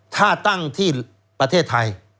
ถ้าตั้งที่ประเทศไทย